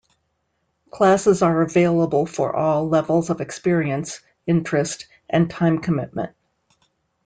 Classes are available for all levels ofexperience, interest, and time commitment.